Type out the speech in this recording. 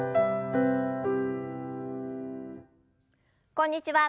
こんにちは